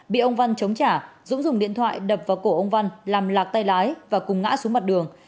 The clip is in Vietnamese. bị ông văn chống trả dũng dùng điện thoại đập vào cổ ông văn làm lạc tay lái và cùng ngã xuống mặt đường